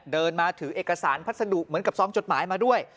เดินมาถือเอกสารพัสดุเหมือนกับซองจดหมายมาด้วย